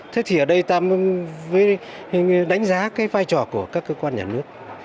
thế thì ở đây ta với đánh giá cái vai trò của các cơ quan nhà nước